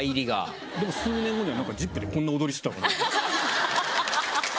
でも数年後には『ＺＩＰ！』でこんな踊りしてたから。